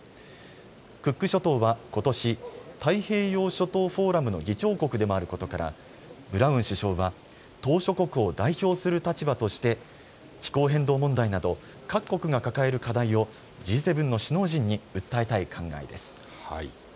クック諸島はことし、太平洋諸島フォーラムの議長国でもあることからブラウン首相は島しょ国を代表する立場として気候変動問題など各国が抱える課題をＧ７の首脳陣に訴えたい考えです。